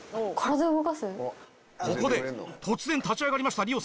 ここで突然立ち上がりましたりお選手。